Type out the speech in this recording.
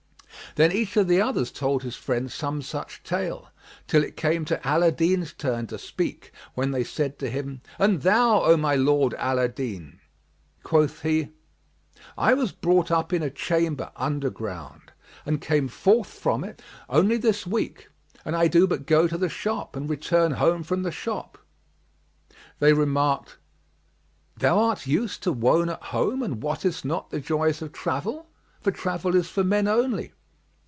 Then each of the others told his friend some such tale, till it came to Ala al Din's turn to speak, when they said to him, "And thou, O my lord Ala al Din?" Quoth he, "I was brought up in a chamber underground and came forth from it only this week; and I do but go to the shop and return home from the shop." They remarked, "Thou art used to wone at home and wottest not the joys of travel, for travel is for men only."